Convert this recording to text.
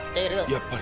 やっぱり。